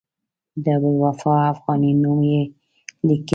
د ابوالوفاء افغاني نوم یې لیکلی و.